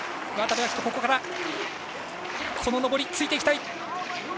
渡部暁斗、ここからこの上りついていきたい。